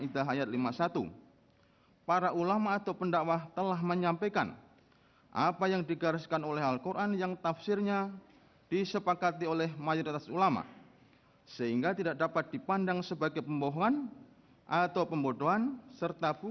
kepulauan seribu kepulauan seribu